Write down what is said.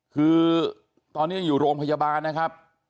คือตอนนี้ยังอยู่โรงพยาบาลนะครับ